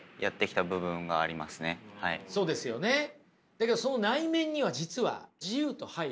だけどその内面には実は自由と配慮。